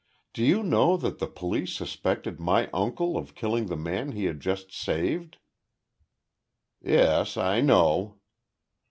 "Do you know that the police suspected my uncle of killing the man he had just saved?" "Yes. I know."